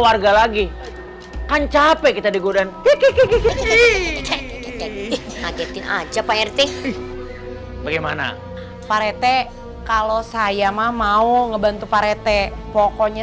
warga lagi kan capek kita digodain ke tiga bagaimana parete kalau saya mah mau ngebantu parete pokoknya